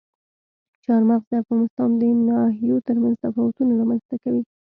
چار مغز د افغانستان د ناحیو ترمنځ تفاوتونه رامنځته کوي.